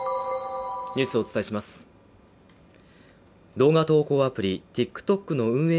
動画投稿アプリ、ＴｉｋＴｏｋの運営